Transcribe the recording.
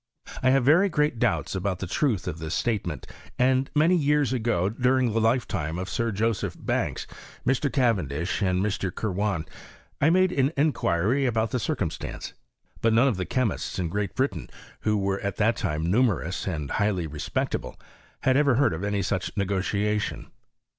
I have very great doubts about the truth of this statement ; and, many years a^o, during the lifetime of Sir Joseph Banks, Mr. Cavendish, and Mr. Kitwan, I made inquiry about the circumstance ; but none of the chemists in Great Britain, who were at that time numerous and highly respectable, had ever heard of any such negotiatiou.